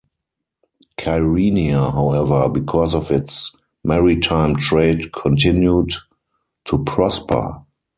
Kyrenia however, because of its maritime trade, continued to prosper.